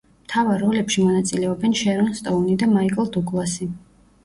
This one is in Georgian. მთავარ როლებში მონაწილეობენ შერონ სტოუნი და მაიკლ დუგლასი.